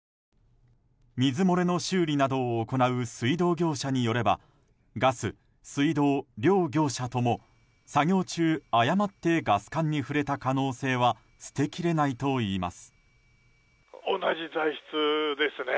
水漏れの修理などを行う水道業者によればガス、水道、両業者とも作業中、誤ってガス管に触れた可能性は捨てきれないといいます。